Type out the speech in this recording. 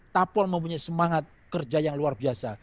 tapol mempunyai semangat kerja yang luar biasa